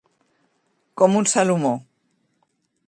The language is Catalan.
Com un Salomó.